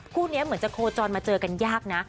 คู่นี้เหมือนจะโคจรมาเจอกันยากนะ